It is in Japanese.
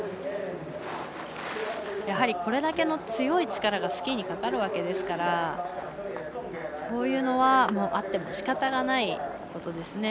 やはり、これだけの強い力がスキーにかかるわけですからそういうのはあってもしかたがないことです。